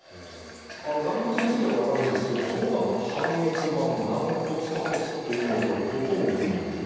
あの軟骨については分かるんですけどもそのほかの半月板軟骨下骨というのはこれどこの部位のことになりますか？